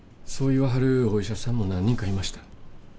そう言わはるお医者さんも何人かいました。